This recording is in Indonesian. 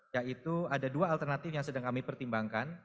yaitu ada dua alternatif yang sedang kami pertimbangkan